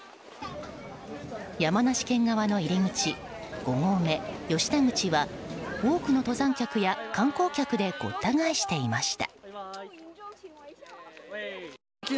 山梨県側の入り口五合目・吉田口は多くの登山客は観光客でごった返していました。